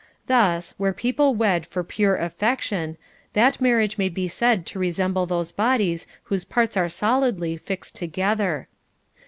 Thus, where people wed for pure affection, that marriage may be said to resemble those bodies whose parts are solidly fixed together.